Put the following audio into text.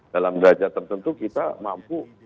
dalam derajat tertentu kita mampu